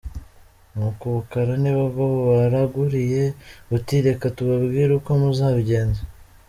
Nuko Ubukara nibwo bubaraguriye, buti:”reka tubabwire uko muzabigenza.